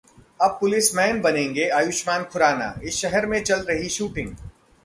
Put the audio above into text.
अब पुलिसमैन बनेंगे आयुष्मान खुराना, इस शहर में चल रही शूटिंग